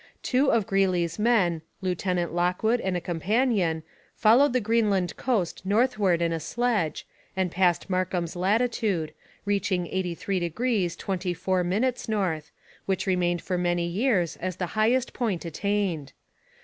Two of Greeley's men, Lieutenant Lockwood and a companion, followed the Greenland coast northward in a sledge and passed Markham's latitude, reaching 83° 24' north, which remained for many years as the highest point attained.